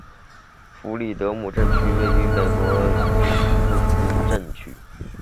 弗里德姆镇区为位在美国堪萨斯州波旁县的镇区。